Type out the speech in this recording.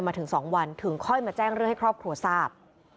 มาถึง๒วันถึงค่อยมาแจ้งเรื่องให้ครอบครัวทราบ